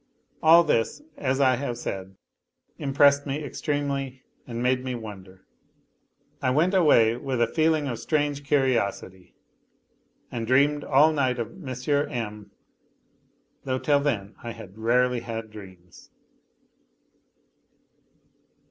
All this, as I have said, im pressed me extremely and made me wonder. I went away witl a feeling of strange cilriosity, and dreamed all night of M. M. though till then I had rarely had dreams.